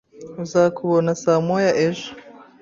Uzakubona saa moya ejo.